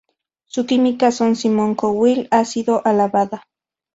Su química con Simon Cowell ha sido alabada.